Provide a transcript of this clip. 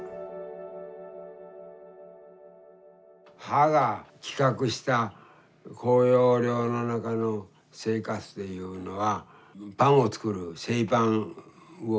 母が企画した向陽寮の中の生活というのはパンを作る製パンをする。